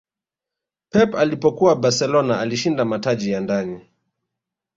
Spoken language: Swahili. pep alipokuwa barcelona alishinda mataji ya ndani